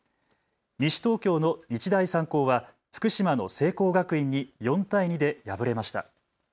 西東京の日大三高は福島の聖光学院に４対２で敗れました。